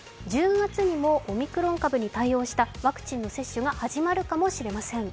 １０月にもオミクロン株に対応したワクチンの接種が始まるかもしれません。